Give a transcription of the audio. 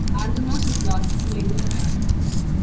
"Argonaut" was lost to enemy action.